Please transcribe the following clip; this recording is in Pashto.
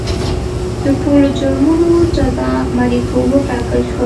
د ټولو جرمونو جزا مریتوب وټاکل شوه.